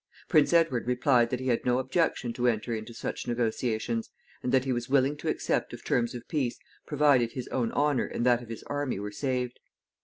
Prince Edward replied that he had no objection to enter into such negotiations, and that he was willing to accept of terms of peace, provided his own honor and that of his army were saved.